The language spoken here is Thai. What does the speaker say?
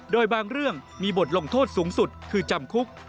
โดยบางเรื่องมีบทลงโทษสูงสุดคือจำคุก